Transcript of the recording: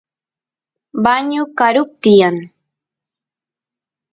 bañu karup tiyan